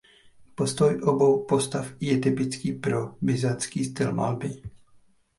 Postoj obou postav je typický pro byzantský styl malby.